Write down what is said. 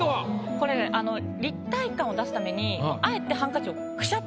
これ立体感を出すためにあえて。